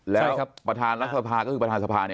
แล้วประธานรัฐสภาก็คือประธานสภา